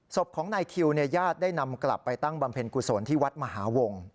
ศพของนายคิวญาติได้นำกลับไปตั้งบำเพ็ญกุศลที่วัดมหาวง